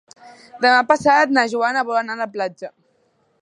Demà passat na Joana vol anar a la platja.